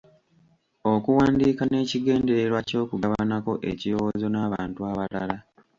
Okuwandiika n’ekigendererwa ky’okugabanako ekirowoozo n’abantu abalala.